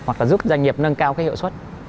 hoặc là giúp doanh nghiệp nâng cao cái hiệu suất